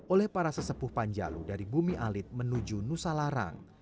oleh para sesepuh panjalu dari bumi alit menuju nusa larang